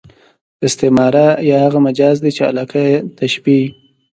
استعاره هغه مجاز دئ، چي علاقه ئې تشبېه يي.